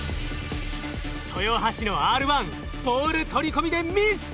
豊橋のＲ１ボール取り込みでミス！